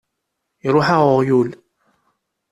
Iṛuḥ-aɣ uɣyul!